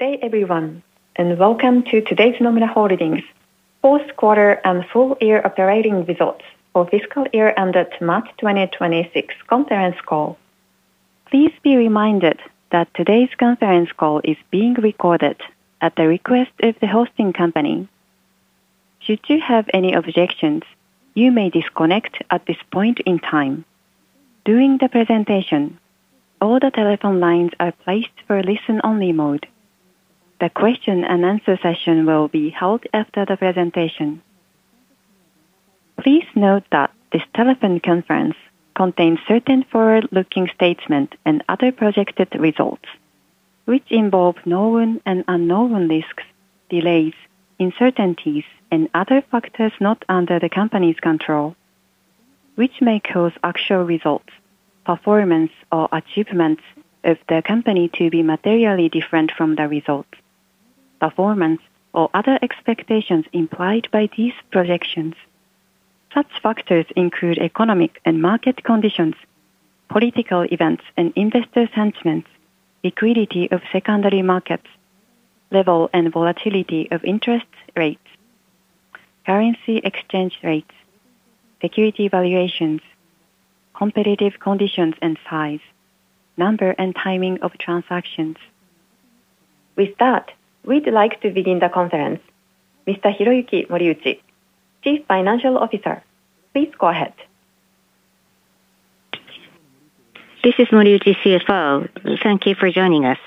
Good day everyone, and welcome to today's Nomura Holdings fourth quarter and full year operating results for fiscal year ended March 2026 conference call. Please be reminded that today's conference call is being recorded at the request of the hosting company. Should you have any objections, you may disconnect at this point in time. During the presentation, all the telephone lines are placed for listen only mode. The question-and-answer session will be held after the presentation. Please note that this telephone conference contains certain forward-looking statements and other projected results, which involve known and unknown risks, delays, uncertainties, and other factors not under the company's control, which may cause actual results, performance, or achievements of the company to be materially different from the results, performance, or other expectations implied by these projections. Such factors include economic and market conditions, political events and investor sentiments, liquidity of secondary markets, level and volatility of interest rates, currency exchange rates, security valuations, competitive conditions and size, number and timing of transactions. With that, we'd like to begin the conference. Mr. Hiroyuki Moriuchi, Chief Financial Officer, please go ahead. This is Moriuchi, CFO. Thank you for joining us.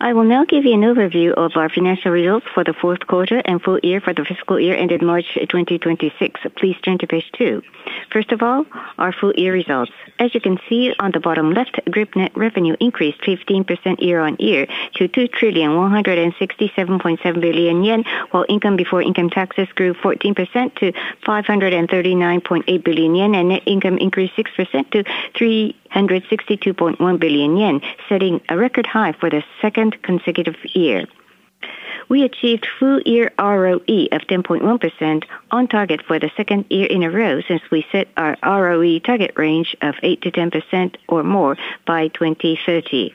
I will now give you an overview of our financial results for the fourth quarter and full year for the fiscal year ended March 2026. Please turn to page 2. First of all, our full year results. As you can see on the bottom left, group net revenue increased 15% year-on-year to 2,167.7 billion yen, while income before income taxes grew 14% to 539.8 billion yen, and net income increased 6% to 362.1 billion yen, setting a record high for the second consecutive year. We achieved full year ROE of 10.1% on target for the second year in a row, since we set our ROE target range of 8%-10% or more by 2030.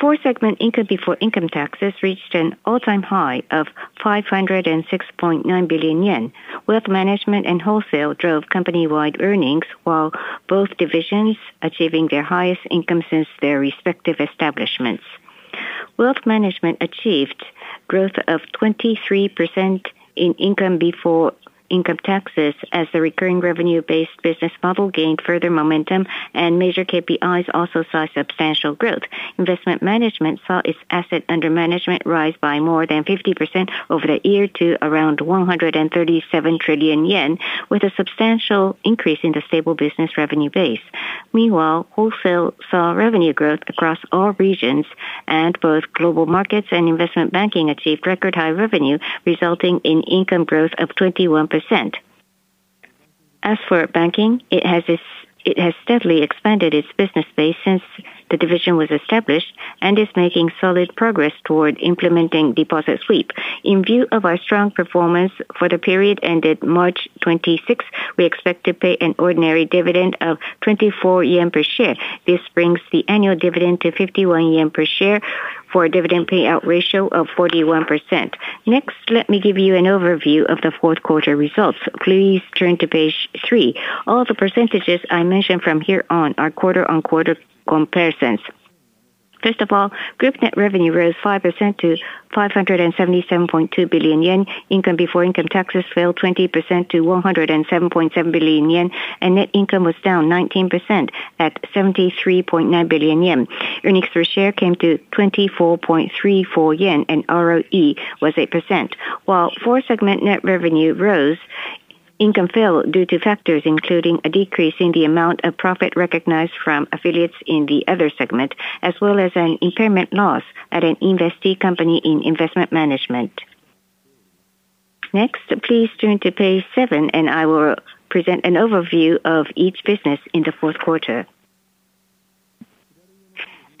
Four segment income before income taxes reached an all-time high of 506.9 billion yen. Wealth Management and Wholesale drove company-wide earnings, while both divisions achieving their highest income since their respective establishments. Wealth Management achieved growth of 23% in income before income taxes as the recurring revenue-based business model gained further momentum, and major KPIs also saw substantial growth. Investment Management saw its assets under management rise by more than 50% over the year to around 137 trillion yen, with a substantial increase in the stable business revenue base. Meanwhile, Wholesale saw revenue growth across all regions, and both Global Markets and Investment Banking achieved record high revenue, resulting in income growth of 21%. As for Banking, it has steadily expanded its business base since the division was established and is making solid progress toward implementing deposit sweep. In view of our strong performance for the period ended March 26, we expect to pay an ordinary dividend of 24 yen per share. This brings the annual dividend to 51 yen per share for a dividend payout ratio of 41%. Next, let me give you an overview of the fourth quarter results. Please turn to page 3. All the percentages I mention from here on are quarter-on-quarter comparisons. First of all, Group net revenue rose 5% to 577.2 billion yen, income before income taxes fell 20% to 107.7 billion yen, and net income was down 19% at 73.9 billion yen. Earnings per share came to 24.34 yen and ROE was 8%. While Wholesale segment net revenue rose, income fell due to factors including a decrease in the amount of profit recognized from affiliates in the Other segment, as well as an impairment loss at an investee company in Investment Management. Next, please turn to page 7, and I will present an overview of each business in the fourth quarter.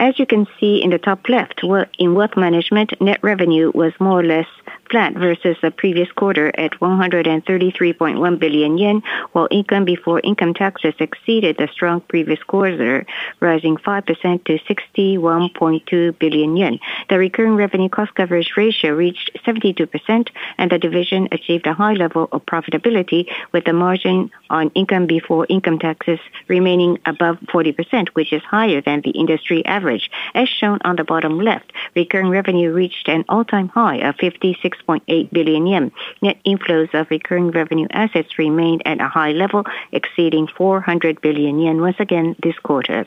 As you can see in the top left, in Wealth Management, net revenue was more or less flat versus the previous quarter at 133.1 billion yen, while income before income taxes exceeded the strong previous quarter, rising 5% to 61.2 billion yen. The recurring revenue cost coverage ratio reached 72%, and the division achieved a high level of profitability with the margin on income before income taxes remaining above 40%, which is higher than the industry average. As shown on the bottom left, recurring revenue reached an all-time high of 56.8 billion yen. Net inflows of recurring revenue assets remained at a high level, exceeding 400 billion yen once again this quarter.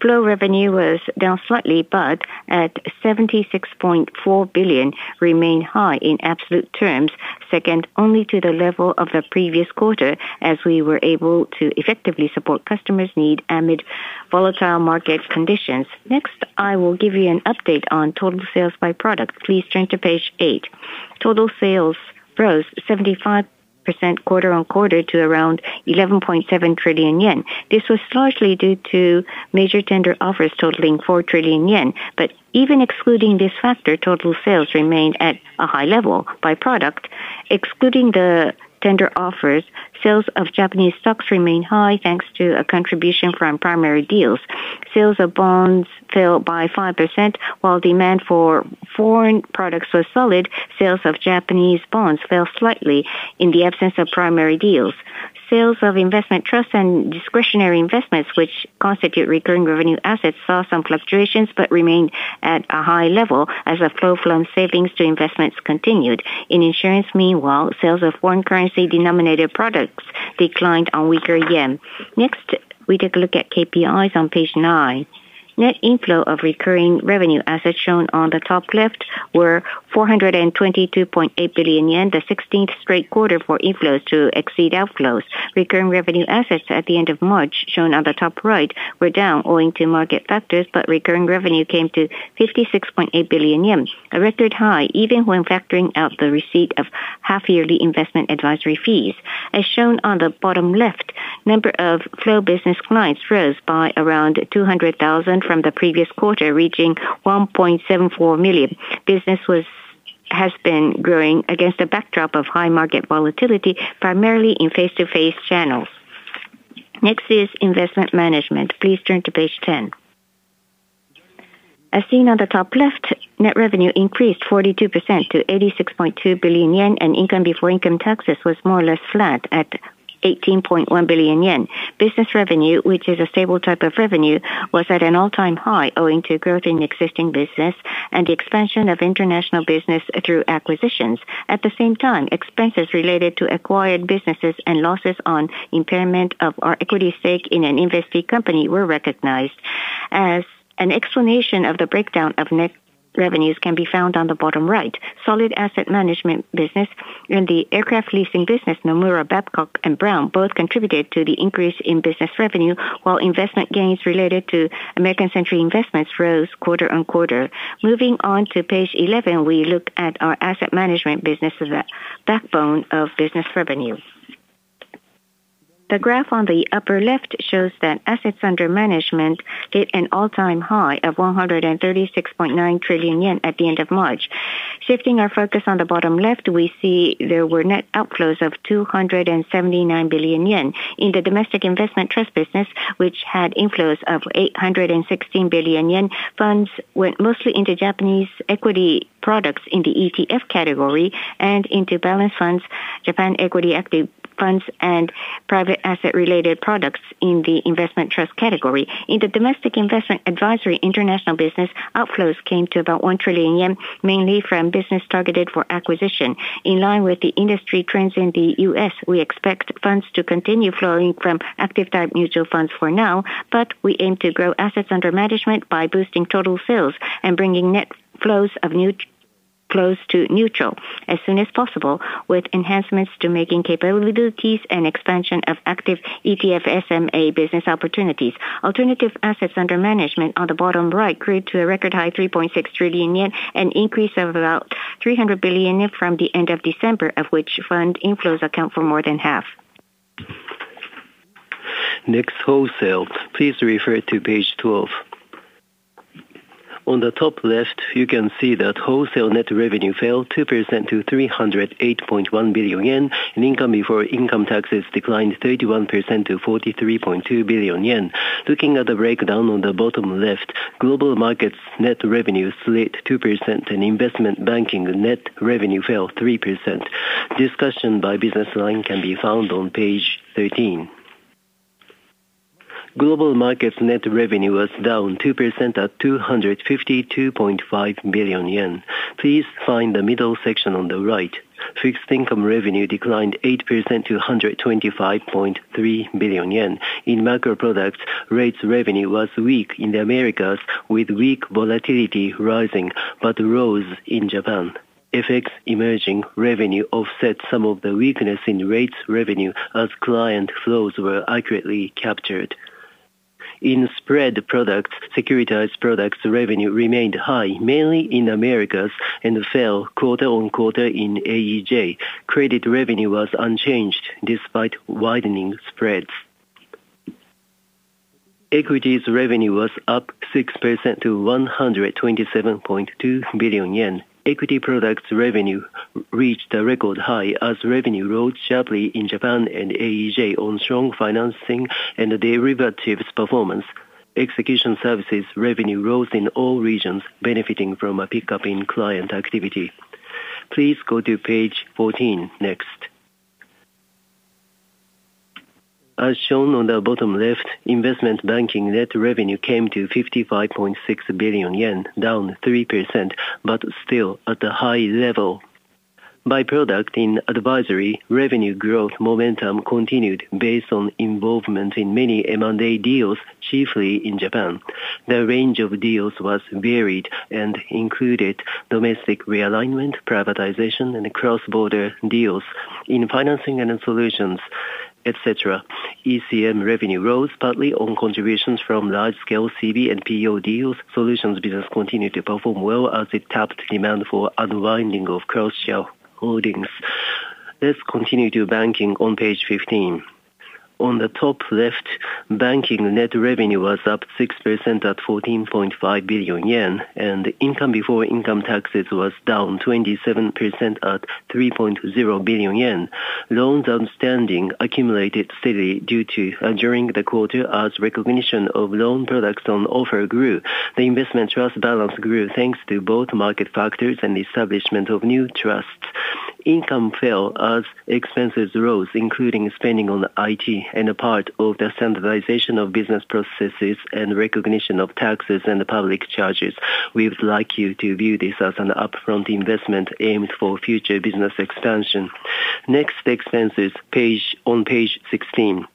Flow revenue was down slightly, but at 76.4 billion, remained high in absolute terms, second only to the level of the previous quarter as we were able to effectively support customers' need amid volatile market conditions. Next, I will give you an update on total sales by product. Please turn to page 8. Total sales rose 75% quarter-on-quarter to around 11.7 trillion yen. This was largely due to major tender offers totaling 4 trillion yen. Even excluding this factor, total sales remained at a high level by product. Excluding the tender offers, sales of Japanese stocks remain high thanks to a contribution from primary deals. Sales of bonds fell by 5%, while demand for foreign products was solid. Sales of Japanese bonds fell slightly in the absence of primary deals. Sales of investment trusts and discretionary investments, which constitute recurring revenue assets, saw some fluctuations but remained at a high level as a flow from savings to investments continued. In insurance, meanwhile, sales of foreign currency denominated products declined on weaker yen. Next, we take a look at KPIs on page 9. Net inflow of recurring revenue assets shown on the top left were 422.8 billion yen, the 16th straight quarter for inflows to exceed outflows. Recurring revenue assets at the end of March, shown on the top right, were down owing to market factors, but recurring revenue came to 56.8 billion yen, a record high even when factoring out the receipt of half-yearly investment advisory fees. As shown on the bottom left, number of flow business clients rose by around 200,000 from the previous quarter, reaching 1.74 million. Business has been growing against a backdrop of high market volatility, primarily in face-to-face channels. Next is investment management. Please turn to page 10. As seen on the top left, net revenue increased 42% to 86.2 billion yen, and income before income taxes was more or less flat at 18.1 billion yen. Business revenue, which is a stable type of revenue, was at an all-time high, owing to growth in existing business and the expansion of international business through acquisitions. At the same time, expenses related to acquired businesses and losses on impairment of our equity stake in an investee company were recognized. An explanation of the breakdown of net revenues can be found on the bottom right. Solid asset management business and the aircraft leasing business, Nomura Babcock & Brown, both contributed to the increase in business revenue, while investment gains related to American Century Investments rose quarter-over-quarter. Moving on to page 11, we look at our asset management business as a backbone of business revenue. The graph on the upper left shows that assets under management hit an all-time high of 136.9 trillion yen at the end of March. Shifting our focus on the bottom left, we see there were net outflows of 279 billion yen. In the domestic investment trust business, which had inflows of 816 billion yen, funds went mostly into Japanese equity products in the ETF category and into balance funds, Japan Equity Active funds, and private asset-related products in the investment trust category. In the domestic investment advisory international business, outflows came to about 1 trillion yen, mainly from business targeted for acquisition. In line with the industry trends in the U.S., we expect funds to continue flowing from active type mutual funds for now, but we aim to grow assets under management by boosting total sales and bringing net flows close to neutral as soon as possible, with enhancements to marketing capabilities and expansion of active ETF SMA business opportunities. Alternative assets under management on the bottom right grew to a record high 3.6 trillion yen, an increase of about 300 billion from the end of December, of which fund inflows account for more than half. Next, Wholesale. Please refer to page 12. On the top left, you can see that Wholesale net revenue fell 2% to 308.1 billion yen, and income before income taxes declined 31% to 43.2 billion yen. Looking at the breakdown on the bottom left, Global Markets net revenue slipped 2%, and Investment Banking net revenue fell 3%. Discussion by business line can be found on page 13. Global Markets net revenue was down 2% at 252.5 billion yen. Please find the middle section on the right. Fixed Income revenue declined 8% to 125.3 billion yen. In Macro Products, rates revenue was weak in the Americas, with weak volatility rising, but rose in Japan. FX emerging revenue offset some of the weakness in rates revenue as client flows were accurately captured. In Spread Products, Securitized Products revenue remained high, mainly in Americas, and fell quarter-on-quarter in AEJ. Credit revenue was unchanged despite widening spreads. Equities revenue was up 6% to 127.2 billion yen. Equity Products revenue reached a record high as revenue rose sharply in Japan and AEJ on strong financing and derivatives performance. Execution Services revenue rose in all regions, benefiting from a pickup in client activity. Please go to page 14 next. As shown on the bottom left, Investment Banking net revenue came to 55.6 billion yen, down 3%, but still at a high level. By product in advisory, revenue growth momentum continued based on involvement in many M&A deals, chiefly in Japan. The range of deals was varied and included domestic realignment, privatization, and cross-border deals. In financing and solutions, et cetera, ECM revenue rose partly on contributions from large-scale CB and PO deals. Solutions business continued to perform well as it tapped demand for unwinding of cross-shareholdings. Let's continue to banking on page 15. On the top left, banking net revenue was up 6% at 14.5 billion yen, and income before income taxes was down 27% at 3.0 billion yen. Loans outstanding accumulated steadily during the quarter as recognition of loan products on offer grew. The investment trust balance grew thanks to both market factors and the establishment of new trusts. Income fell as expenses rose, including spending on IT and a part of the standardization of business processes and recognition of taxes and public charges. We would like you to view this as an upfront investment aimed for future business expansion. Next, expenses on page 16.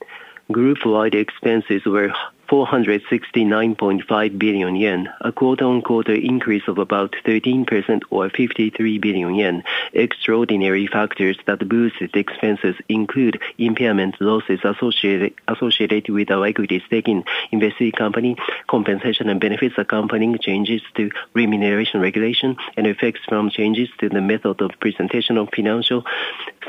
Group-wide expenses were 469.5 billion yen, a quarter-on-quarter increase of about 13% or 53 billion yen. Extraordinary factors that boosted expenses include impairment losses associated with our equity stake in investee company, compensation and benefits accompanying changes to remuneration regulation, and effects from changes to the method of presentation of financial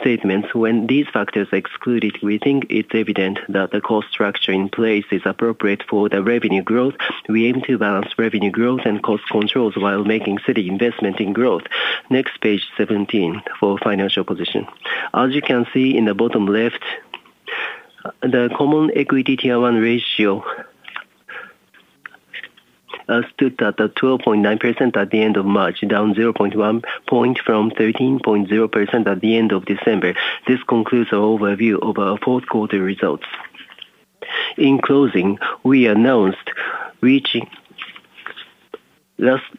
statements. When these factors are excluded, we think it's evident that the cost structure in place is appropriate for the revenue growth. We aim to balance revenue growth and cost controls while making steady investment in growth. Next, page 17 for financial position. As you can see in the bottom left, the Common Equity Tier 1 ratio stood at 12.9% at the end of March, down 0.1 point from 13.0% at the end of December. This concludes our overview of our fourth quarter results.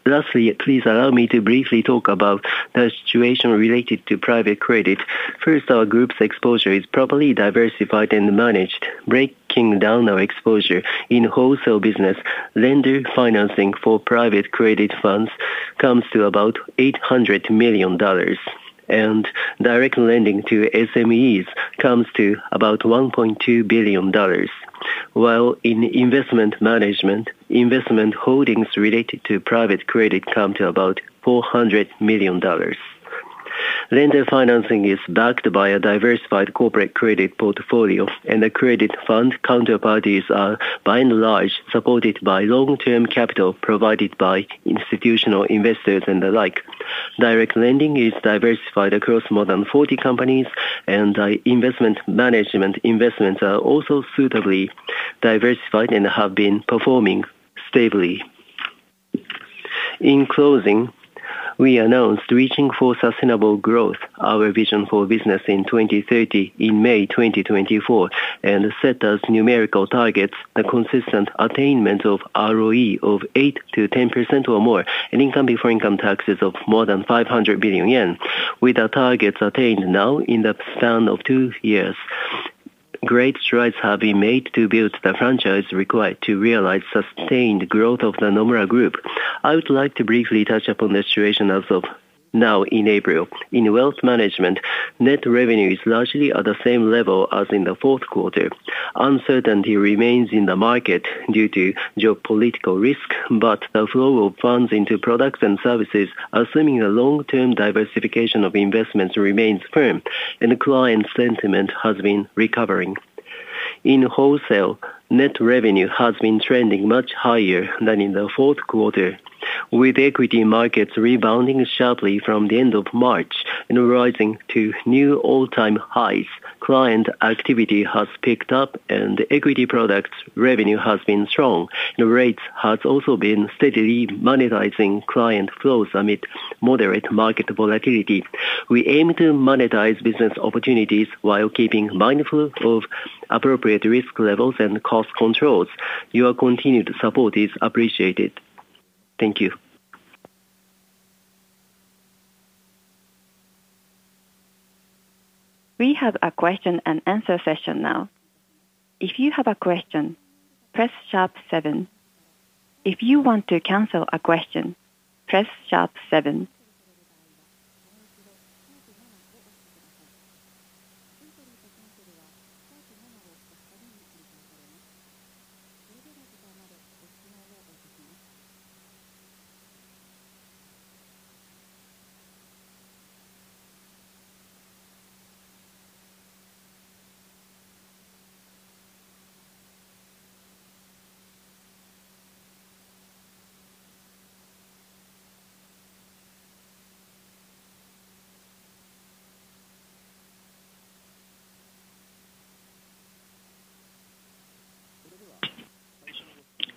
Lastly, please allow me to briefly talk about the situation related to private credit. First, our group's exposure is properly diversified and managed. Breaking down our exposure, in wholesale business, lender financing for private credit funds comes to about $800 million, and direct lending to SMEs comes to about $1.2 billion, while in Investment Management, investment holdings related to private credit come to about $400 million. Lender financing is backed by a diversified corporate credit portfolio, and the credit fund counterparties are by and large supported by long-term capital provided by institutional investors and the like. Direct lending is diversified across more than 40 companies, and investment management investments are also suitably diversified and have been performing stably. In closing, we announced Reaching for Sustainable Growth, our vision for business in 2030, in May 2024, and set as numerical targets the consistent attainment of ROE of 8%-10% or more, and income before income taxes of more than 500 billion yen. With our targets attained now in the span of two years, great strides have been made to build the franchise required to realize sustained growth of the Nomura Group. I would like to briefly touch upon the situation as of now in April. In Wealth Management, net revenue is largely at the same level as in the fourth quarter. Uncertainty remains in the market due to geopolitical risk, but the flow of funds into products and services assuming a long-term diversification of investments remains firm, and client sentiment has been recovering. In Wholesale, net revenue has been trending much higher than in the fourth quarter, with equity markets rebounding sharply from the end of March and rising to new all-time highs. Client activity has picked up and equity products revenue has been strong. Rates have also been steadily monetizing client flows amid moderate market volatility. We aim to monetize business opportunities while keeping mindful of appropriate risk levels and cost controls. Your continued support is appreciated. Thank you. We have a question-and-answer session now. If you have a question, press sharp seven. If you want to cancel a question, press sharp seven.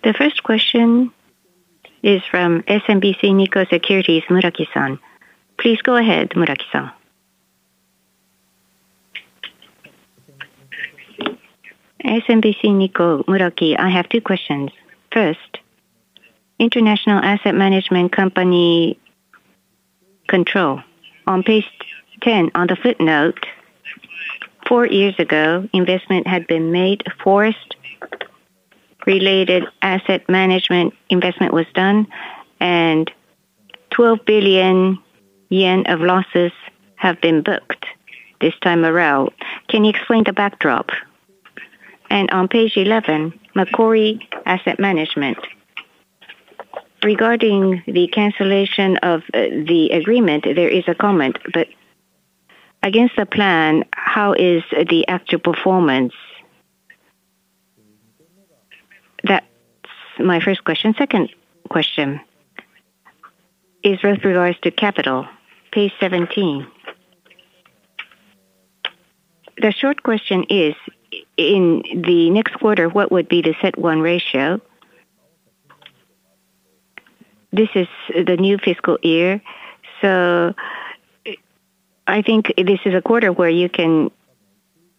The first question is from SMBC Nikko Securities, Muraki-san. Please go ahead, Muraki-san. SMBC Nikko, Muraki. I have two questions. First, international asset management company control. On page 10, on the footnote, four years ago, investment had been made, a forest-related asset management investment was done, and 12 billion yen of losses have been booked this time around. Can you explain the backdrop? On page 11, Macquarie Asset Management. Regarding the cancellation of the agreement, there is a comment, but against the plan, how is the actual performance? That's my first question. Second question is with regards to capital. Page 17. The short question is, in the next quarter, what would be the CET1 ratio? This is the new fiscal year, so I think this is a quarter where you can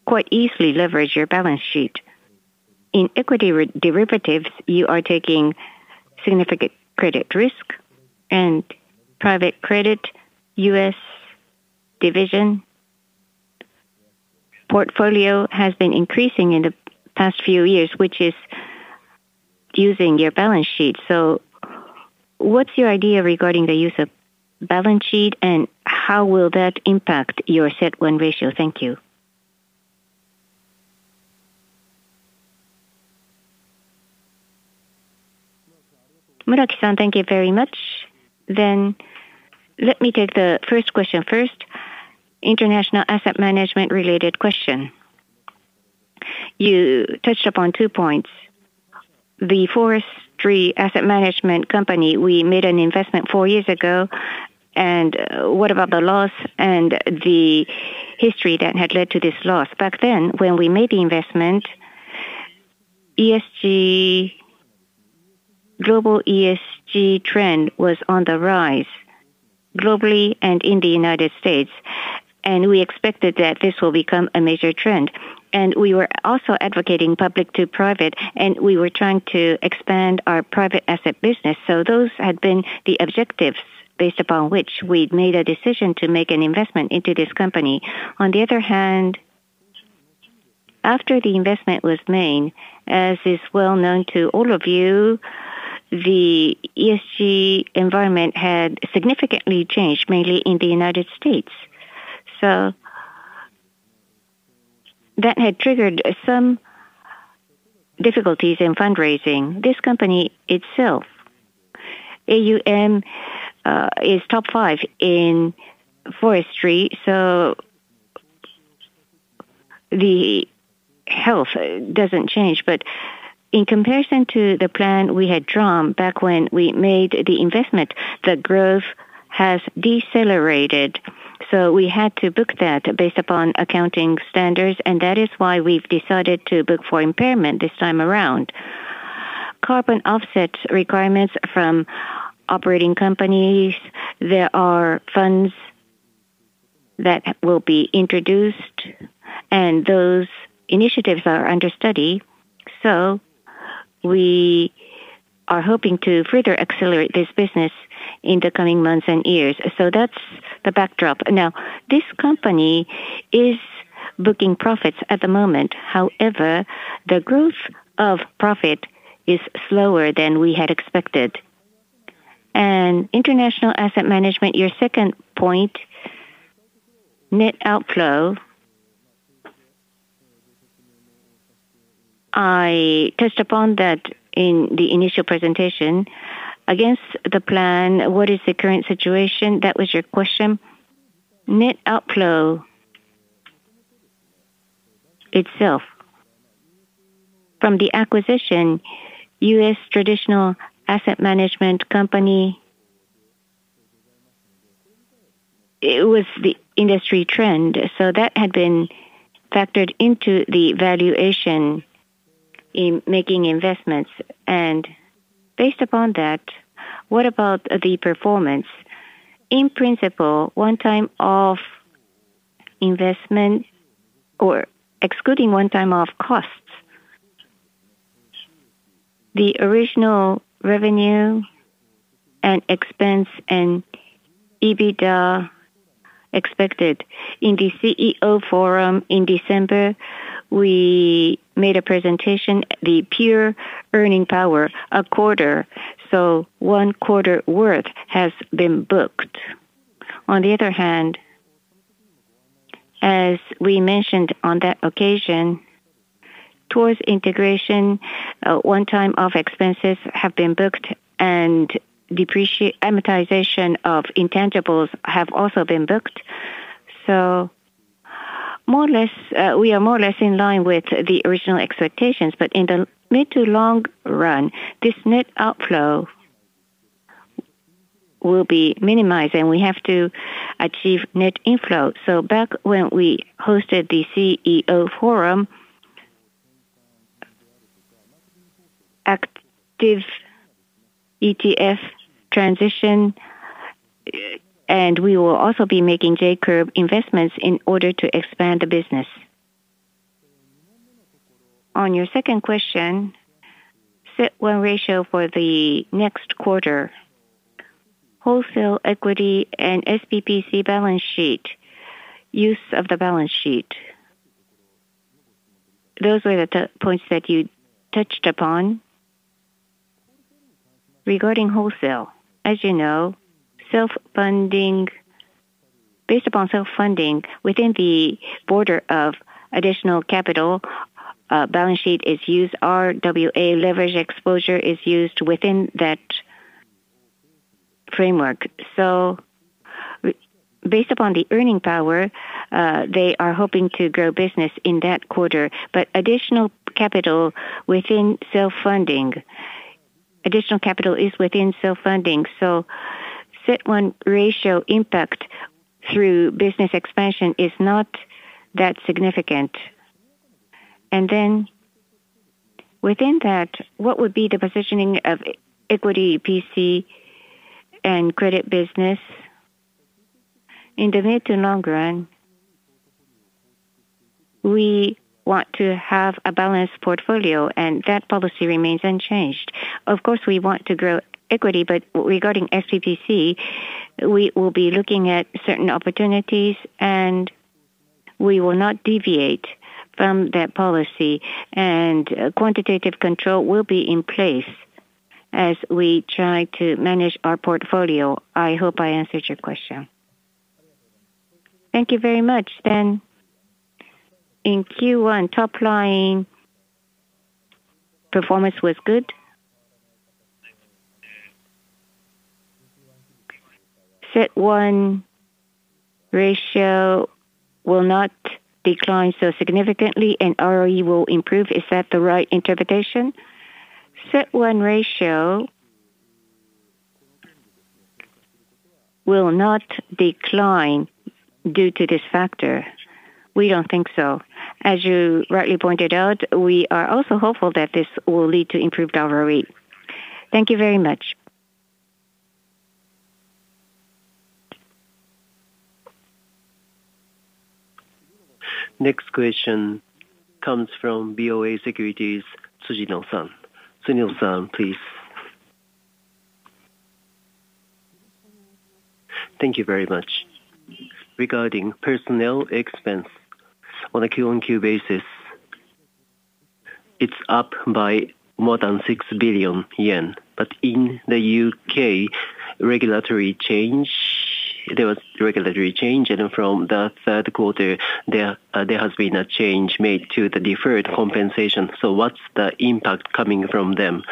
quite easily leverage your balance sheet. In equity derivatives, you are taking significant credit risk and private credit. U.S. division portfolio has been increasing in the past few years, which is using your balance sheet. What's your idea regarding the use of balance sheet, and how will that impact your CET1 ratio? Thank you. Muraki-san, thank you very much. Let me take the first question first. International asset management related question. You touched upon two points. The forestry asset management company, we made an investment four years ago, and what about the loss and the history that had led to this loss? Back then, when we made the investment, global ESG trend was on the rise, globally and in the United States, and we expected that this will become a major trend. We were also advocating public to private, and we were trying to expand our private asset business. Those had been the objectives based upon which we'd made a decision to make an investment into this company. On the other hand, after the investment was made, as is well known to all of you, the ESG environment had significantly changed, mainly in the United States. That had triggered some difficulties in fundraising. This company itself, AUM, is top five in forestry, so the health doesn't change. But in comparison to the plan we had drawn back when we made the investment, the growth has decelerated. We had to book that based upon accounting standards, and that is why we've decided to book for impairment this time around. Carbon offset requirements from operating companies. There are funds that will be introduced, and those initiatives are under study. We are hoping to further accelerate this business in the coming months and years. That's the backdrop. Now, this company is booking profits at the moment. However, the growth of profit is slower than we had expected. International asset management, your second point, net outflow. I touched upon that in the initial presentation. Against the plan, what is the current situation? That was your question. Net outflow itself from the acquisition, U.S. traditional asset management company, it was the industry trend. That had been factored into the valuation in making investments. Based upon that, what about the performance? In principle, one-off investment or excluding one-off costs, the original revenue and expense and EBITDA expected. In the CEO forum in December, we made a presentation, the peer earning power a quarter, so one quarter worth has been booked. On the other hand, as we mentioned on that occasion, towards integration, one-time expenses have been booked and amortization of intangibles have also been booked. We are more or less in line with the original expectations, but in the mid- to long run, this net outflow will be minimized, and we have to achieve net inflow. Back when we hosted the CEO forum, active ETF transition, and we will also be making J-curve investments in order to expand the business. On your second question, CET1 ratio for the next quarter, wholesale equity and SPPC balance sheet, use of the balance sheet. Those were the points that you touched upon. Regarding wholesale, as you know, self-funding. Based upon self-funding within the bounds of additional capital, balance sheet is used, RWA leverage exposure is used within that framework. Based upon the earning power, they are hoping to grow business in that quarter, but additional capital is within self-funding. CET1 ratio impact through business expansion is not that significant. Within that, what would be the positioning of equity PC and credit business? In the mid to long run, we want to have a balanced portfolio, and that policy remains unchanged. Of course, we want to grow equity, but regarding SPPC, we will be looking at certain opportunities, and we will not deviate from that policy, and quantitative control will be in place as we try to manage our portfolio. I hope I answered your question. Thank you very much. In Q1, top-line performance was good. CET1 ratio will not decline so significantly, and ROE will improve. Is that the right interpretation? CET1 ratio will not decline due to this factor. We don't think so. As you rightly pointed out, we are also hopeful that this will lead to improved ROE. Thank you very much. Next question comes from BofA Securities, Tsujino-san. Tsujino-san, please. Thank you very much. Regarding personnel expense, on a Q on Q basis, it's up by more than 6 billion yen. In the U.K., there was regulatory change, and from the third quarter, there has been a change made to the deferred compensation. What's the impact coming from them?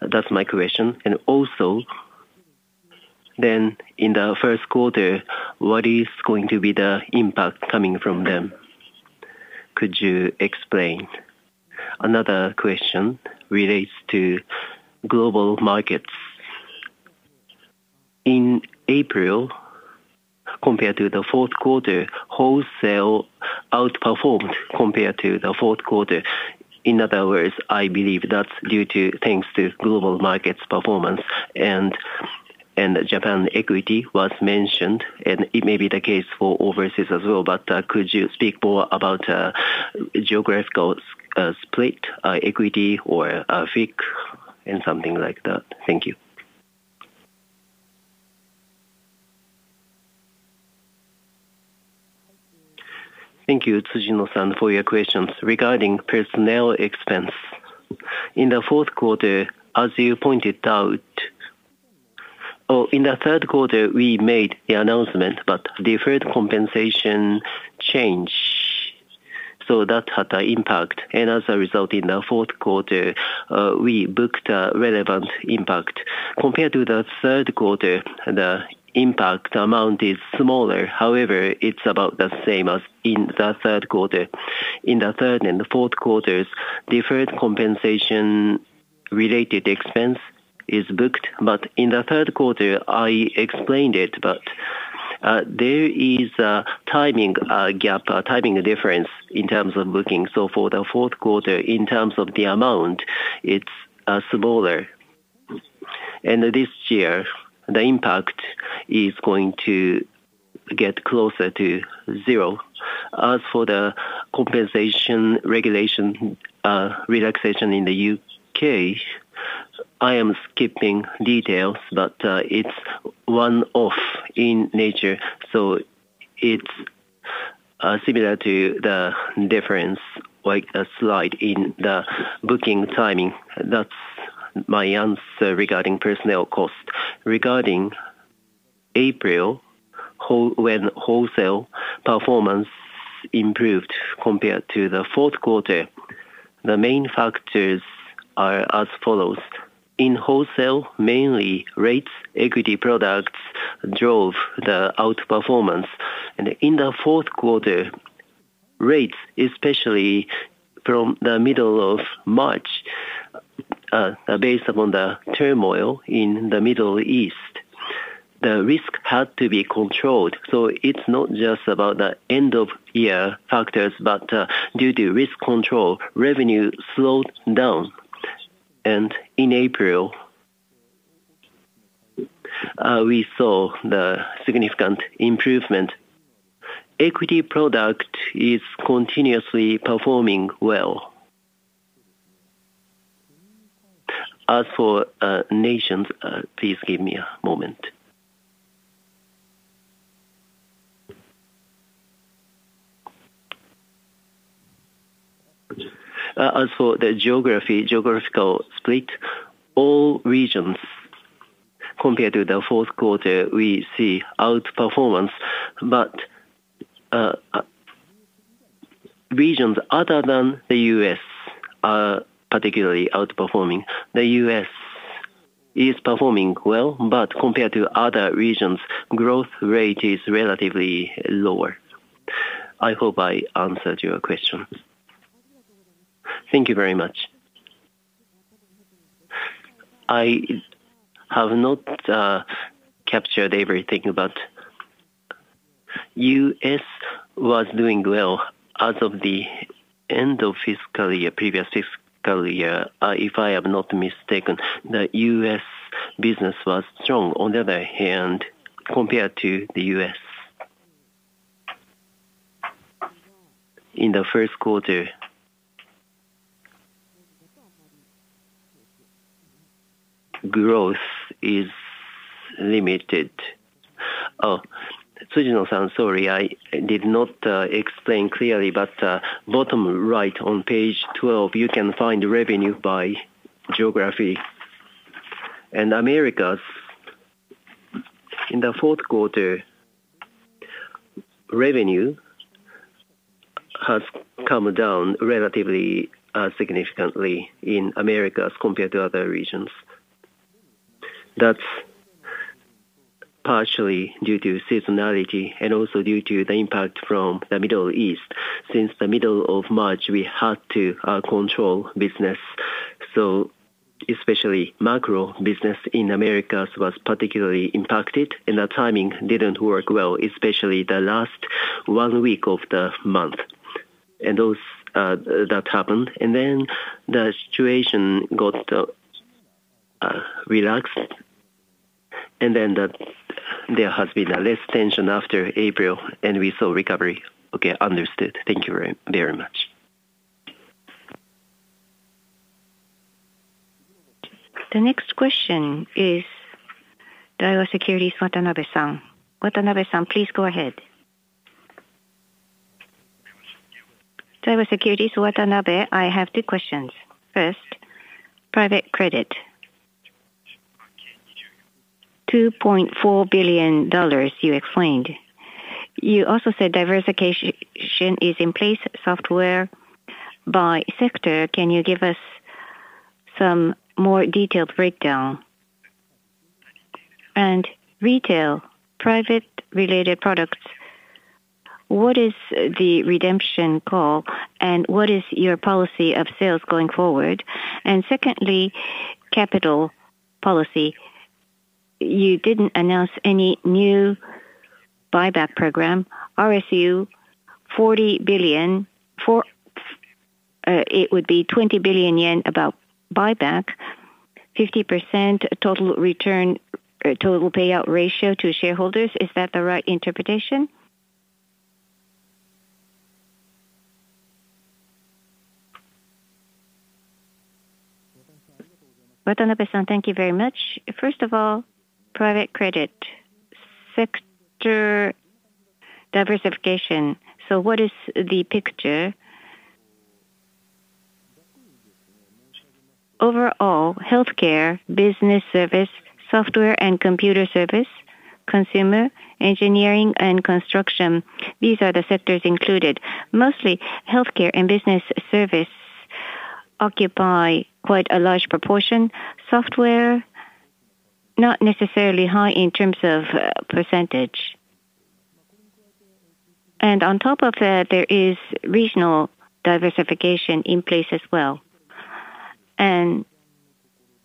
That's my question. Also then, in the first quarter, what is going to be the impact coming from them? Could you explain? Another question relates to Global Markets. In April, compared to the fourth quarter, Wholesale outperformed compared to the fourth quarter. In other words, I believe that's due to thanks to Global Markets performance and Japan equity was mentioned, and it may be the case for overseas as well, but could you speak more about geographical split, equity or FIC, and something like that? Thank you. Thank you, Tsujino-san, for your questions. Regarding personnel expense, in the third quarter, we made the announcement, but deferred compensation change. That had an impact, and as a result, in the fourth quarter, we booked a relevant impact. Compared to the third quarter, the impact amount is smaller. However, it's about the same as in the third quarter. In the third and fourth quarters, deferred compensation-related expense is booked. In the third quarter, I explained it, but there is a timing gap, a timing difference in terms of booking. For the fourth quarter, in terms of the amount, it's smaller. This year, the impact is going to get closer to zero. As for the compensation regulation relaxation in the U.K., I am skipping details, but it's one-off in nature, so it's similar to the difference, like a slide in the booking timing. That's my answer regarding personnel cost. Regarding April, when Wholesale performance improved compared to the fourth quarter, the main factors are as follows. In Wholesale, mainly rates, equity products drove the outperformance. In the fourth quarter, rates, especially from the middle of March, based upon the turmoil in the Middle East, the risk had to be controlled. It's not just about the end-of-year factors, but due to risk control, revenue slowed down. In April, we saw the significant improvement. Equity product is continuously performing well. As for nations, please give me a moment. As for the geographical split, all regions compared to the fourth quarter, we see outperformance, but regions other than the U.S. are particularly outperforming. The U.S. is performing well, but compared to other regions, growth rate is relatively lower. I hope I answered your question. Thank you very much. I have not captured everything, but U.S. was doing well as of the end of previous fiscal year. If I am not mistaken, the U.S. business was strong. On the other hand, compared to the U.S., in the first quarter, growth is limited. Oh, Tsujino-san, sorry, I did not explain clearly, but bottom right on page 12, you can find revenue by geography. Americas, in the fourth quarter, revenue has come down relatively significantly in Americas compared to other regions. That's partially due to seasonality and also due to the impact from the Middle East. Since the middle of March, we had to control business, so especially macro business in Americas was particularly impacted, and the timing didn't work well, especially the last one week of the month. That happened, and then the situation got relaxed, and then there has been less tension after April, and we saw recovery. Okay, understood. Thank you very much. The next question is Daiwa Securities, Watanabe-san. Watanabe-san, please go ahead. Daiwa Securities, Watanabe. I have two questions. First, private credit, $2.4 billion you explained. You also said diversification is in place, software by sector. Can you give us some more detailed breakdown? Retail, private related products, what is the redemption call and what is your policy of sales going forward? Secondly, capital policy. You didn't announce any new buyback program. RSU, 40 billion. It would be 20 billion yen about buyback, 50% total payout ratio to shareholders. Is that the right interpretation? Watanabe-san, thank you very much. First of all, private credit sector diversification. What is the picture? Overall, healthcare, business service, software and computer service, consumer, engineering, and construction. These are the sectors included. Mostly healthcare and business service occupy quite a large proportion. Software, not necessarily high in terms of percentage. On top of that, there is regional diversification in place as well.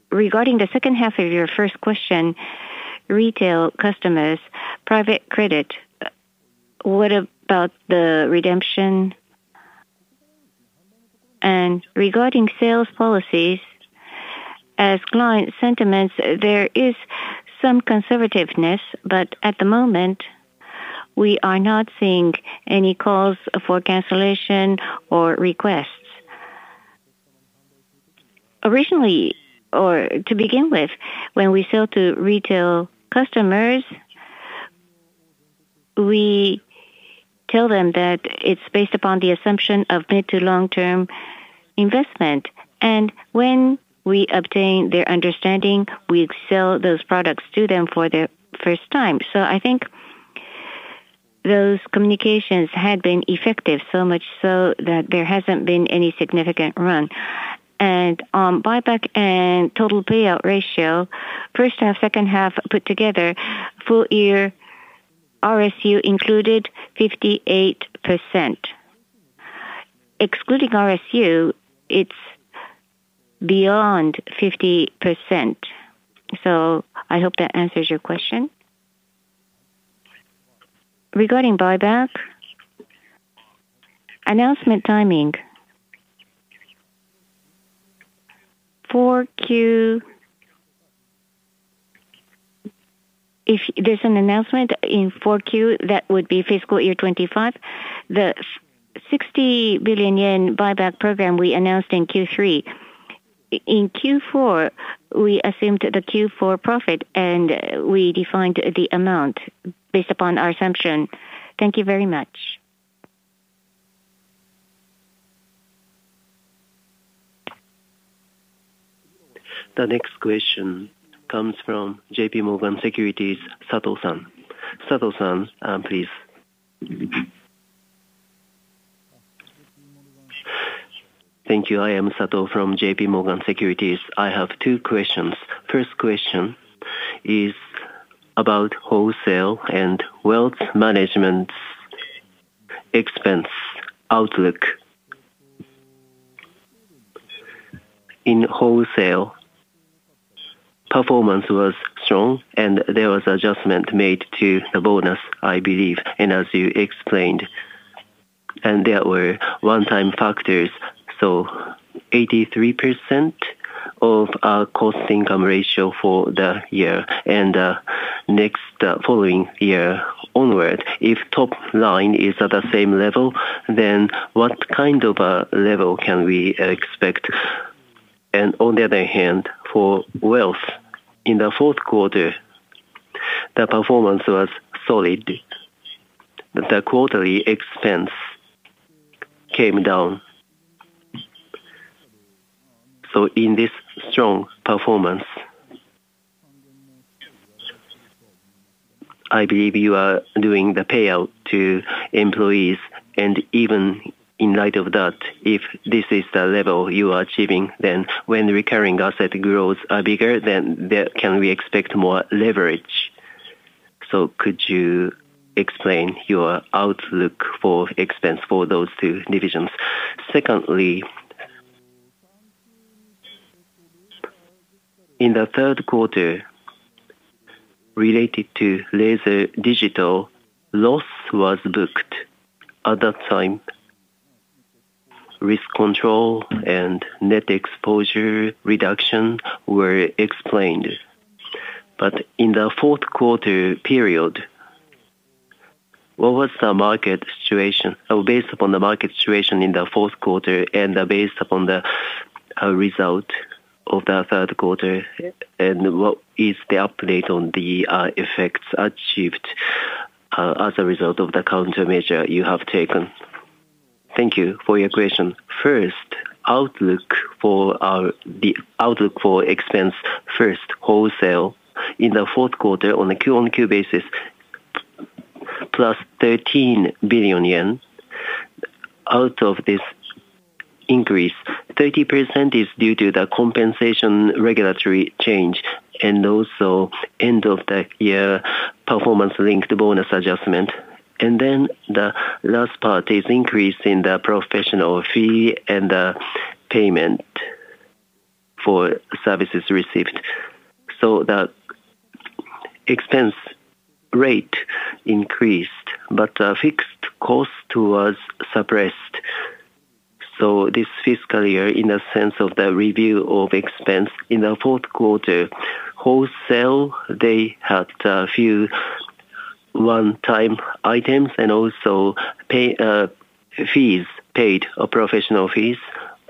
Regarding the second half of your first question, retail customers, private credit. What about the redemption? Regarding sales policies, as client sentiments, there is some conservativeness, but at the moment, we are not seeing any calls for cancellation or requests. Originally, or to begin with, when we sell to retail customers, we tell them that it's based upon the assumption of mid to long-term investment. When we obtain their understanding, we sell those products to them for the first time. I think those communications had been effective, so much so that there hasn't been any significant run. On buyback and total payout ratio, first half, second half put together, full year, RSU included, 58%. Excluding RSU, it's beyond 50%. I hope that answers your question. Regarding buyback, announcement timing. If there's an announcement in 4Q, that would be fiscal year 2025. The 60 billion yen buyback program we announced in Q3. In Q4, we assumed the Q4 profit and we defined the amount based upon our assumption. Thank you very much. The next question comes from JPMorgan Securities, Sato-san. Sato-san, please. Thank you. I am Sato from JPMorgan Securities. I have two questions. First question is about Wholesale and Wealth Management expense outlook. In Wholesale, performance was strong and there was adjustment made to the bonus, I believe, and as you explained, and there were one-time factors. 83% of our cost income ratio for the year and next following year onward, if top line is at the same level, then what kind of a level can we expect? On the other hand, for Wealth Management, in the fourth quarter, the performance was solid. The quarterly expense came down. In this strong performance, I believe you are doing the payout to employees. Even in light of that, if this is the level you are achieving, then when recurring asset growths are bigger, then can we expect more leverage? Could you explain your outlook for expense for those two divisions? Secondly, in the third quarter, related to Laser Digital, loss was booked. At that time, risk control and net exposure reduction were explained. In the fourth quarter period, based upon the market situation in the fourth quarter and based upon the result of the third quarter, and what is the update on the effects achieved, as a result of the countermeasure you have taken? Thank you for your question. First, the outlook for expense. First, Wholesale. In the fourth quarter on a Q on Q basis, +13 billion yen. Out of this increase, 30% is due to the compensation regulatory change and also end of the year performance-linked bonus adjustment. The last part is increase in the professional fee and the payment for services received. The expense rate increased, but fixed cost was suppressed. This fiscal year, in the sense of the review of expense in the fourth quarter, Wholesale, they had a few one-time items and also fees paid or professional fees.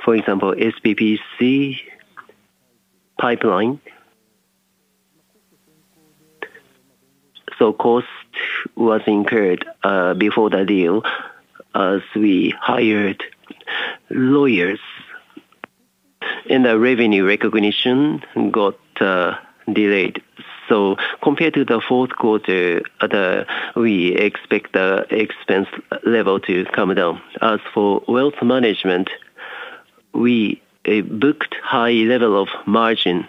For example, SPPC Pipeline. Cost was incurred before the deal as we hired lawyers, and the revenue recognition got delayed. Compared to the fourth quarter, we expect the expense level to come down. As for Wealth Management, we booked high level of margin.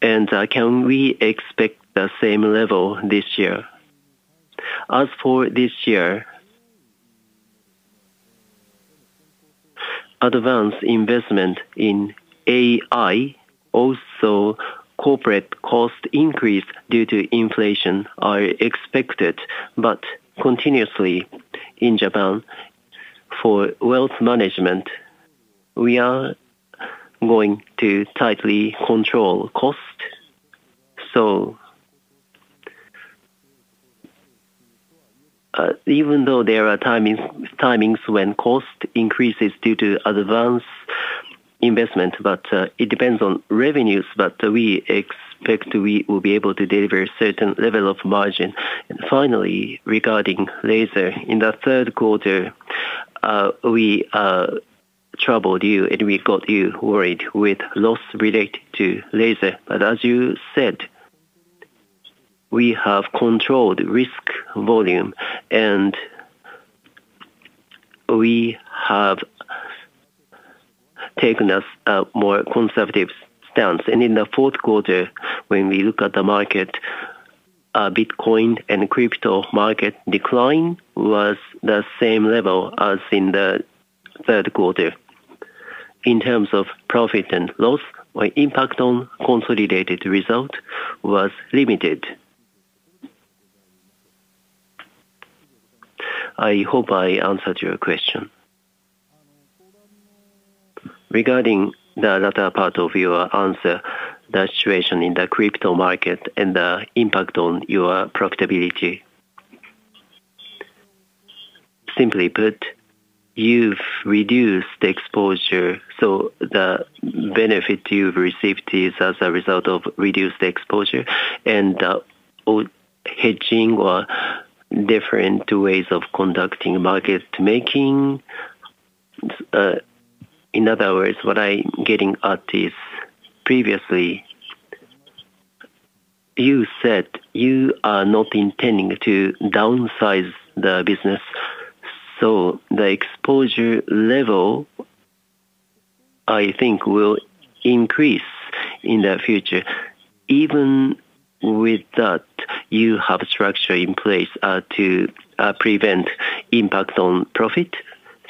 Can we expect the same level this year? As for this year, advance investment in AI, also corporate cost increase due to inflation are expected, but continuously in Japan for Wealth Management, we are going to tightly control cost. Even though there are timings when cost increases due to advance investment, but it depends on revenues, but we expect we will be able to deliver a certain level of margin. Finally, regarding Laser. In the third quarter, we troubled you, and we got you worried with loss related to Laser. As you said, we have controlled risk volume, and we have taken a more conservative stance. In the fourth quarter, when we look at the market, Bitcoin and crypto market decline was the same level as in the third quarter. In terms of profit and loss, our impact on consolidated result was limited. I hope I answered your question. Regarding the latter part of your answer, the situation in the crypto market and the impact on your profitability. Simply put, you've reduced the exposure, so the benefit you've received is as a result of reduced exposure and hedging or different ways of conducting market making. In other words, what I'm getting at is previously you said you are not intending to downsize the business, so the exposure level, I think, will increase in the future. Even with that, you have a structure in place to prevent impact on profit?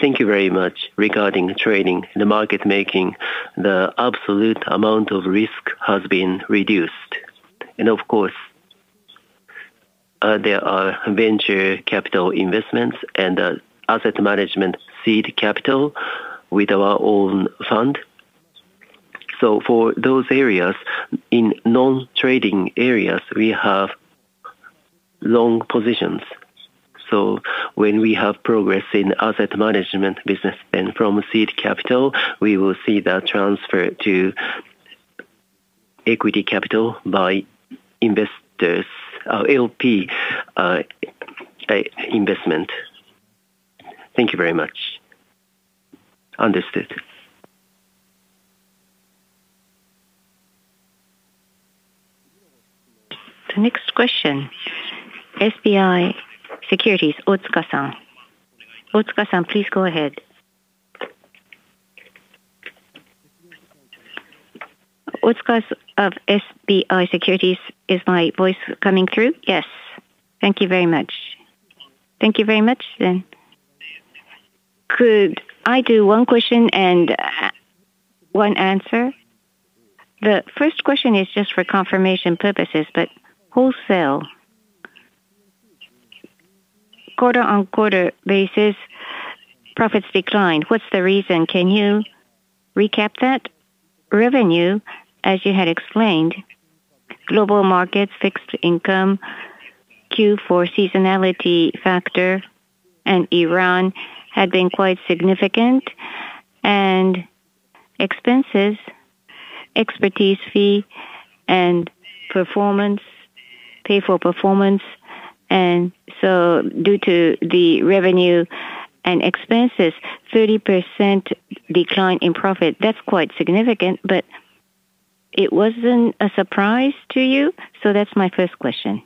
Thank you very much. Regarding trading, the market making, the absolute amount of risk has been reduced. Of course, there are venture capital investments and asset management seed capital with our own fund. For those areas, in non-trading areas, we have long positions. When we have progress in asset management business and from seed capital, we will see the transfer to equity capital by investors, LP investment. Thank you very much. Understood. The next question. SBI Securities, Otsuka-san. Otsuka-san, please go ahead. Otsuka of SBI Securities. Is my voice coming through? Yes. Thank you very much. Thank you very much then. Could I do one question and one answer? The first question is just for confirmation purposes, but Wholesale, quarter-on-quarter basis profits declined. What's the reason? Can you recap that? Revenue, as you had explained, Global Markets, fixed income, Q4 seasonality factor, and Iran had been quite significant, and expenses, expertise fee, and pay for performance. Due to the revenue and expenses, 30% decline in profit. That's quite significant, but it wasn't a surprise to you. That's my first question.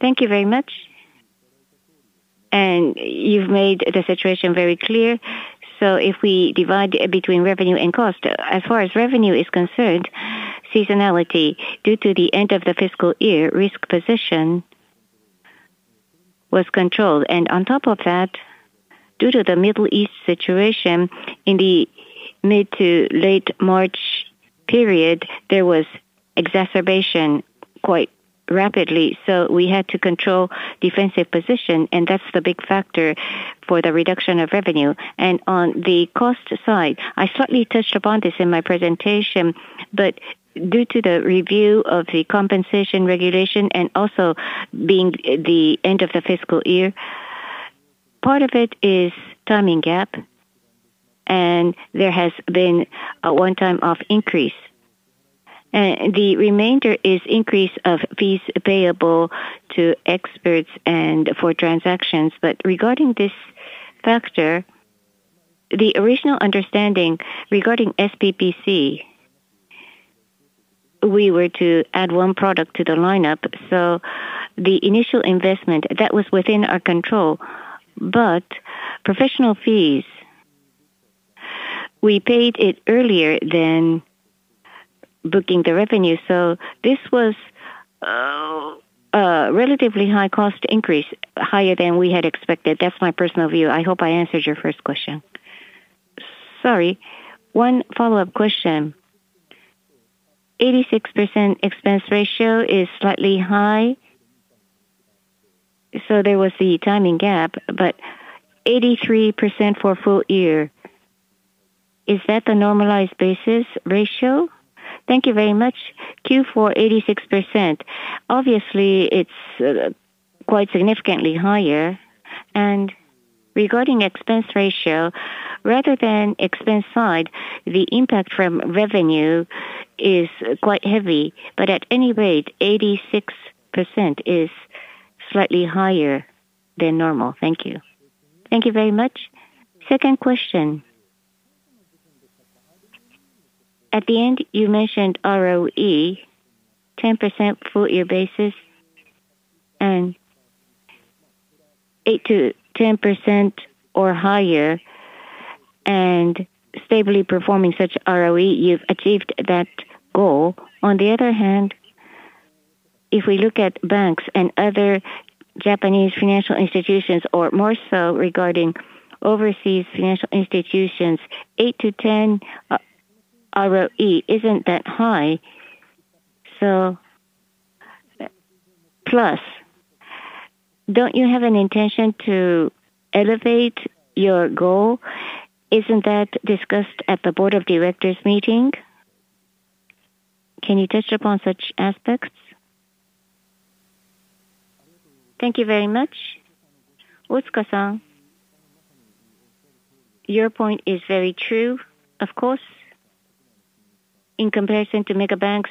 Thank you very much. You've made the situation very clear. If we divide between revenue and cost, as far as revenue is concerned, seasonality due to the end of the fiscal year risk position was controlled. On top of that, due to the Middle East situation in the mid to late March period, there was exacerbation quite rapidly. We had to control defensive position, and that's the big factor for the reduction of revenue. On the cost side, I slightly touched upon this in my presentation, but due to the review of the compensation regulation and also being the end of the fiscal year, part of it is timing gap, and there has been a one-off increase. The remainder is increase of fees payable to experts and for transactions. Regarding this factor, the original understanding regarding SPPC, we were to add one product to the lineup. The initial investment, that was within our control, but professional fees, we paid it earlier than booking the revenue. This was a relatively high cost increase, higher than we had expected. That's my personal view. I hope I answered your first question. Sorry. One follow-up question. The 86% expense ratio is slightly high, so there was the timing gap, but 83% for a full year. Is that the normalized basis ratio? Thank you very much. Q4 86%. Obviously, it's quite significantly higher. Regarding expense ratio, rather than expense side, the impact from revenue is quite heavy. At any rate, 86% is slightly higher than normal. Thank you. Thank you very much. Second question. At the end, you mentioned ROE 10% full year basis and 8%-10% or higher, and stably performing such ROE, you've achieved that goal. On the other hand, if we look at banks and other Japanese financial institutions, or more so regarding overseas financial institutions, 8%-10% ROE isn't that high. Plus, don't you have an intention to elevate your goal? Isn't that discussed at the board of directors meeting? Can you touch upon such aspects? Thank you very much. Otsuka-san, your point is very true. Of course, in comparison to mega banks,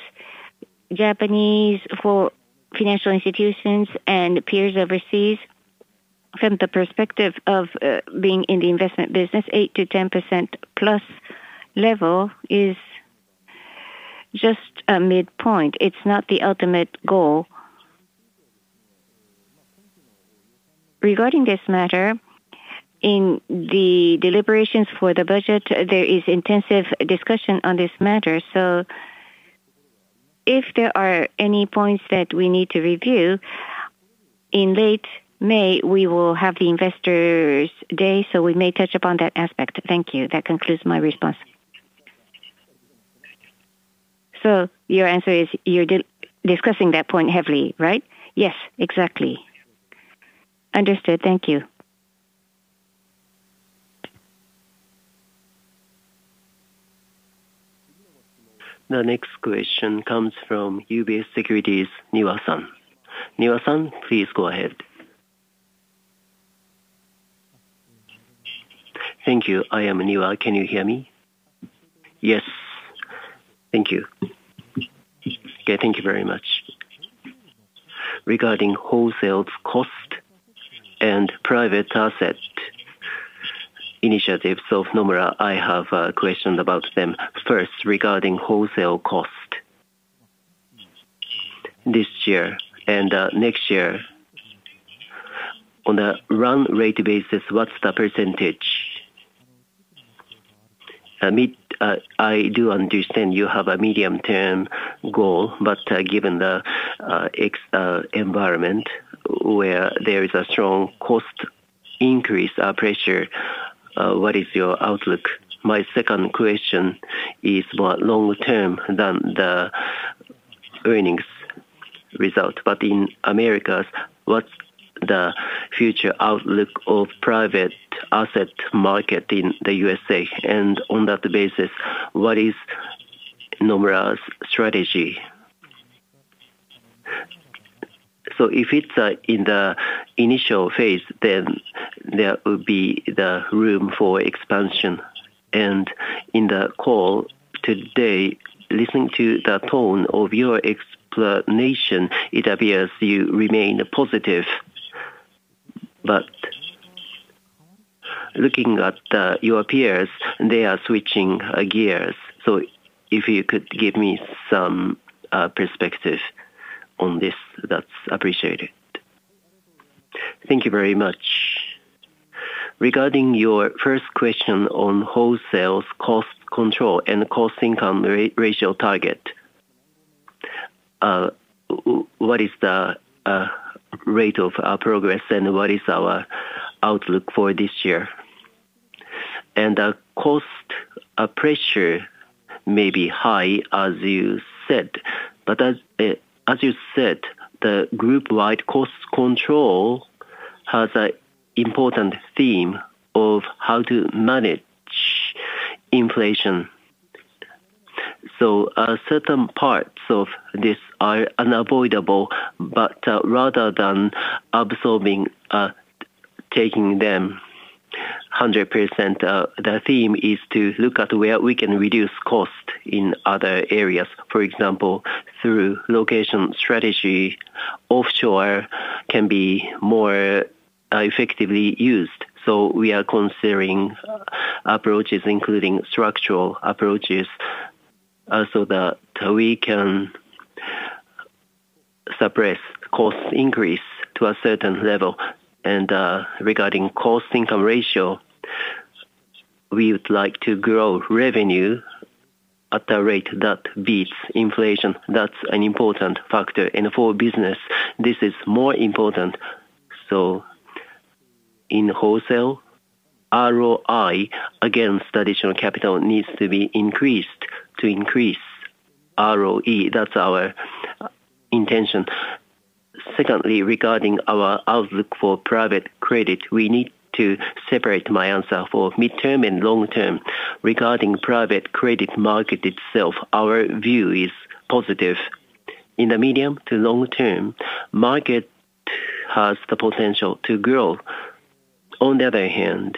Japanese financial institutions and peers overseas, from the perspective of being in the investment business, 8%-10%+ level is just a midpoint. It's not the ultimate goal. Regarding this matter, in the deliberations for the budget, there is intensive discussion on this matter. If there are any points that we need to review, in late May, we will have the Investor Day, so we may touch upon that aspect. Thank you. That concludes my response. Your answer is you're discussing that point heavily, right? Yes, exactly. Understood. Thank you. The next question comes from UBS Securities, Niwa-san. Niwa-san, please go ahead. Thank you. I am Niwa. Can you hear me? Yes. Thank you. Okay, thank you very much. Regarding wholesale cost and private asset initiatives of Nomura, I have a question about them. First, regarding wholesale cost. This year and next year, on a run rate basis, what's the percentage? I do understand you have a medium-term goal, but given the environment where there is a strong cost increase pressure, what is your outlook? My second question is more longer term than the earnings result. In Americas, what's the future outlook of private asset market in the U.S.? And on that basis, what is Nomura's strategy? So if it's in the initial phase, then there will be the room for expansion. In the call today, listening to the tone of your explanation, it appears you remain positive. Looking at your peers, they are switching gears. If you could give me some perspective on this, that's appreciated. Thank you very much. Regarding your first question on wholesale cost control and cost-income ratio target, what is the rate of our progress and what is our outlook for this year? The cost pressure may be high as you said, but as you said, the group-wide cost control has an important theme of how to manage inflation. Certain parts of this are unavoidable, but rather than absorbing, taking them 100%, the theme is to look at where we can reduce cost in other areas. For example, through location strategy, offshore can be more effectively used. We are considering approaches, including structural approaches, so that we can suppress cost increase to a certain level. Regarding cost-income ratio, we would like to grow revenue at a rate that beats inflation. That's an important factor. For business, this is more important. In wholesale, ROI against additional capital needs to be increased to increase ROE. That's our intention. Secondly, regarding our outlook for private credit, we need to separate my answer for midterm and long-term. Regarding private credit market itself, our view is positive. In the medium to long term, market has the potential to grow. On the other hand,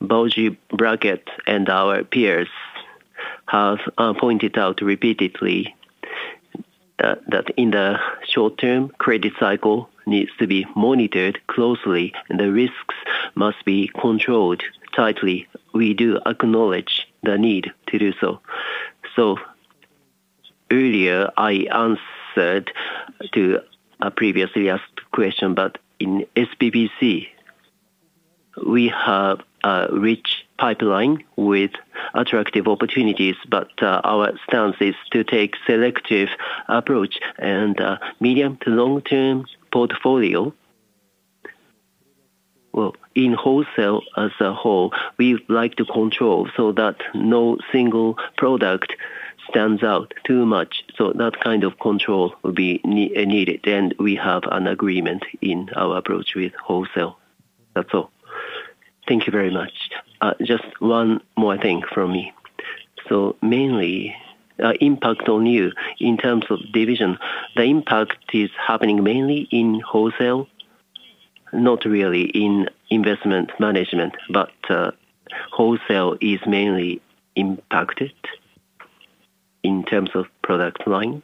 bulge bracket and our peers have pointed out repeatedly that in the short term, credit cycle needs to be monitored closely and the risks must be controlled tightly. We do acknowledge the need to do so. Earlier I answered to a previously asked question, but in SPPC, we have a rich pipeline with attractive opportunities, but our stance is to take selective approach and medium to long-term portfolio. In Wholesale as a whole, we like to control so that no single product stands out too much. That kind of control will be needed, and we have an agreement in our approach with Wholesale. That's all. Thank you very much. Just one more thing from me. Mainly, impact on you in terms of division, the impact is happening mainly in Wholesale, not really in Investment Management, but Wholesale is mainly impacted in terms of product line?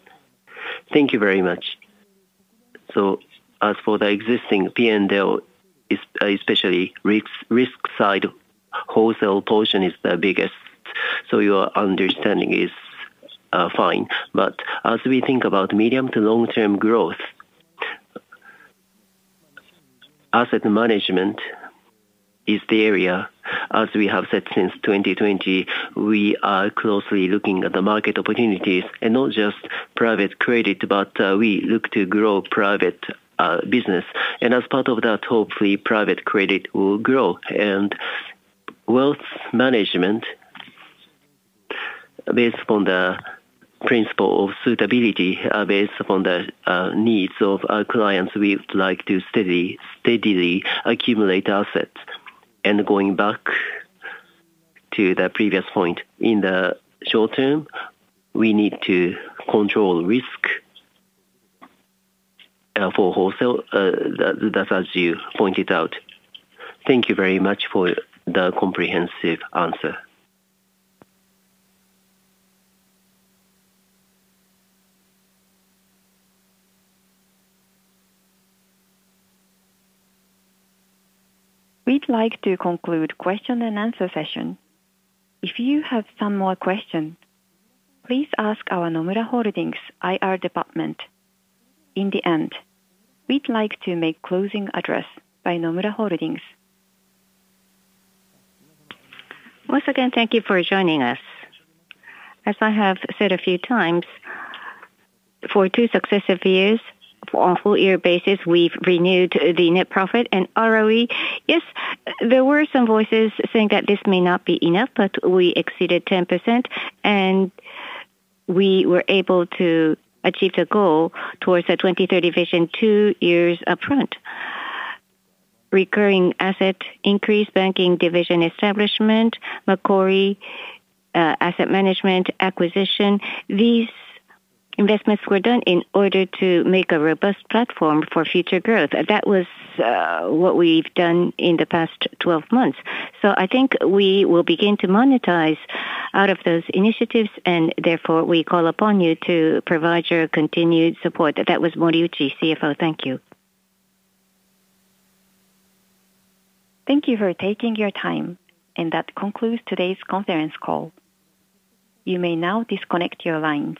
Thank you very much. As for the existing P&L, especially risk side, Wholesale portion is the biggest, so your understanding is fine. As we think about medium to long-term growth, asset management is the area. As we have said since 2020, we are closely looking at the market opportunities and not just private credit, but we look to grow private business. As part of that, hopefully private credit will grow. Wealth Management, based upon the principle of suitability, based upon the needs of our clients, we would like to steadily accumulate assets. Going back to the previous point, in the short term, we need to control risk for Wholesale, that's as you pointed out. Thank you very much for the comprehensive answer. We'd like to conclude question-and-answer session. If you have some more question, please ask our Nomura Holdings IR department. In the end, we'd like to make closing address by Nomura Holdings. Once again, thank you for joining us. As I have said a few times, for two successive years, on a full year basis, we've renewed the net profit and ROE. Yes, there were some voices saying that this may not be enough, but we exceeded 10%, and we were able to achieve the goal towards the 2030 vision two years upfront. Recurring asset increase, Banking Division establishment, Macquarie, asset management acquisition. These investments were done in order to make a robust platform for future growth. That was what we've done in the past 12 months. I think we will begin to monetize out of those initiatives, and therefore, we call upon you to provide your continued support. That was Moriuchi, CFO. Thank you. Thank you for taking your time, and that concludes today's conference call. You may now disconnect your line.